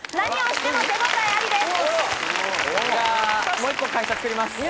もう１個、会社作ります。